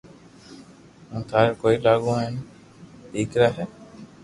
ھون ٿاري ڪوئي لاگو ھين ڌاڪر ھي